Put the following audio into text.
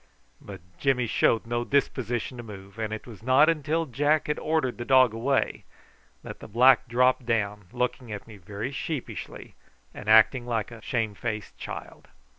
But Jimmy showed no disposition to move, and it was not until Jack had ordered the dog away that the black dropped down, looking at me very sheepishly and acting like a shamefaced child.